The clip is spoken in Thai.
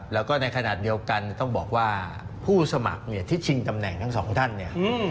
แล้วก็ในขณะเดียวกันต้องบอกว่าผู้สมัครเนี่ยที่ชิงตำแหน่งทั้งสองท่านเนี่ย